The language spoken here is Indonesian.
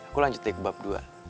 aku lanjutin ke babak dua